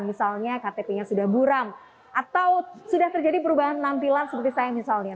misalnya ktp nya sudah buram atau sudah terjadi perubahan nampilan seperti saya misalnya